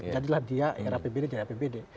jadilah dia rapbd jadi rapbd